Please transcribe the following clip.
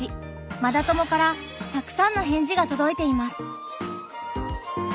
「マダ友」からたくさんの返事がとどいています。